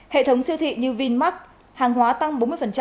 hệ thống siêu thị như vinmark hàng hóa tăng bốn mươi